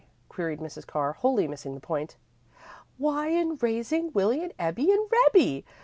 queried Mrs. Carr, wholly missing the point. "Why, in raising Willie and Ebbie and Rebbie!